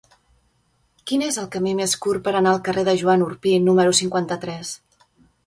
Quin és el camí més curt per anar al carrer de Joan Orpí número cinquanta-tres?